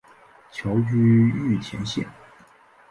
侨居玉田县。